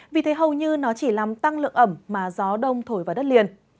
vì thế hầu như nó chỉ làm tăng lượng ẩm mà gió đông thổi vào đất liền